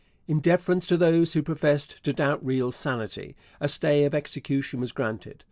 In deference to those who professed to doubt Riel's sanity, a stay of execution was granted.